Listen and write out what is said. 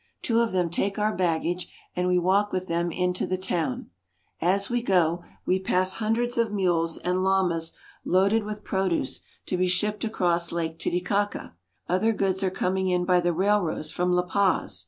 Two of them take our baggage, and we walk with them into the town. As we go, we pass hundreds of mules and llamas loaded Inca Ruins, Lake Titicaca. with produce to be shipped across Lake Titicaca. Other goods are coming in by the railroads from La Paz.